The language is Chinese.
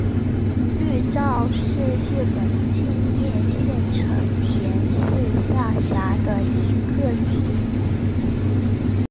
玉造是日本千叶县成田市下辖的一个町。